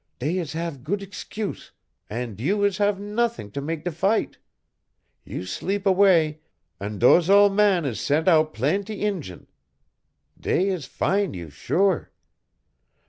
Dey is have good excuse, an' you is have nothing to mak' de fight. You sleep away, and dose ole man is sen' out plaintee Injun. Dey is fine you sure.